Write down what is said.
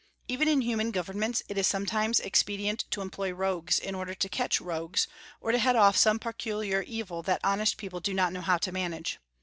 Even in human governments it is sometimes expedient to employ rogues in order to catch rogues, or to head off some peculiar evil that honest people do not know how to manage.